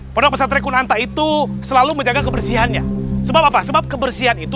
pondok pesantren kunanta itu selalu menjaga kebersihannya sebab apa sebab kebersihan itu